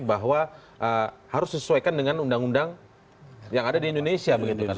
bahwa harus disesuaikan dengan undang undang yang ada di indonesia